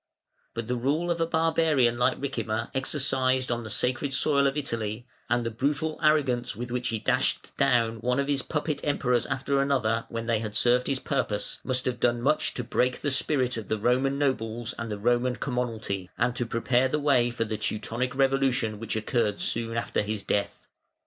But the rule of a barbarian like Ricimer exercised on the sacred soil of Italy, and the brutal arrogance with which he dashed down one of his puppet Emperors after another when they had served his purpose, must have done much to break the spirit of the Roman nobles and the Roman commonalty, and to prepare the way for the Teutonic revolution which occurred soon after his death.